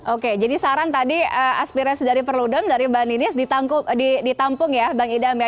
oke jadi saran tadi aspirasi dari perludem dari mbak ninis ditampung ya bang idam ya